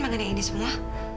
mengenai ini semua